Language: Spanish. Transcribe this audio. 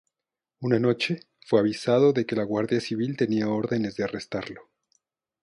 Una noche fue avisado de que la Guardia Civil tenía órdenes de arrestarlo.